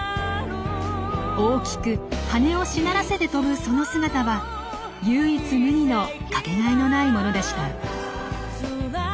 大きく羽をしならせて飛ぶその姿は唯一無二のかけがえのないものでした。